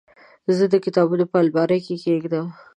زه کتابونه په المارۍ کې کيږدم.